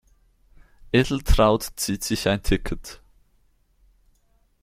Edeltraud zieht sich ein Ticket.